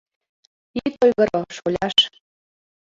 — Ит ойгыро, шоляш.